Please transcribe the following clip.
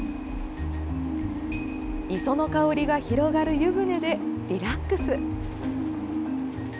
磯の香りが広がる湯船でリラックス。